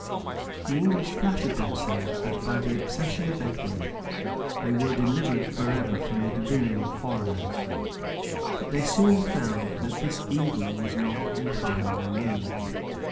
[*][* Higden, p. 277.] The English flattered themselves that, by the accession of Edward, they were delivered forever from the dominion of foreigners; but they soon found that this evil was not yet entirely removed.